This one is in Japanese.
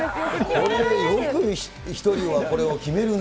これよく、ひとりはこれを決めるね。